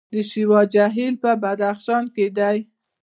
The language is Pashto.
د شیوا جهیل په بدخشان کې دی